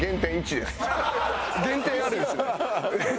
減点あるんですね。